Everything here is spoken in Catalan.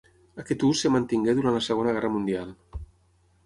Aquest ús es mantingué durant la Segona Guerra Mundial.